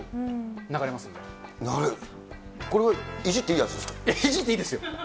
これはいじっていいやいじっていいですよ。